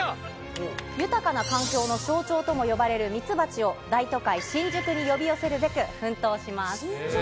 豊かな環境の象徴とも呼ばれる蜜蜂を、大都会、新宿に呼び寄せるべく、新宿？